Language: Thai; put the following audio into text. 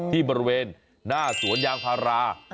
ที่บริเวณหน้าสวนยางพารา